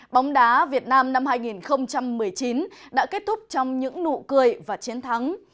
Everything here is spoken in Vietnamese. bóng đá việt nam năm hai nghìn một mươi chín đã kết thúc trong những nụ cười và chiến thắng